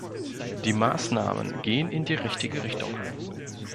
Die Maßnahmen gehen in die richtige Richtung.